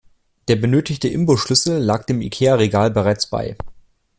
Der benötigte Imbusschlüssel lag dem Ikea-Regal bereits bei.